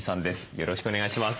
よろしくお願いします。